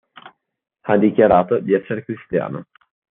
Ha dichiarato di essere cristiano.